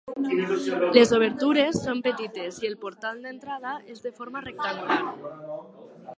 Les obertures són petites i el portal d'entrada és de forma rectangular.